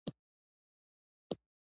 ملا نصرالدین د خپل کلي حاجیان ولیدل.